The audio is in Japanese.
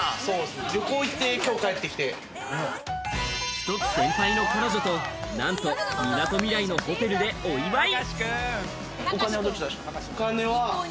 １つ先輩の彼女と、なんと、みなとみらいのホテルでお祝い。